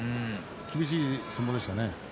厳しい相撲でしたね。